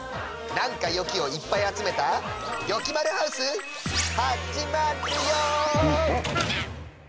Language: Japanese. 「なんかよき！」をいっぱいあつめた「よきまるハウス」はっじまっるよ！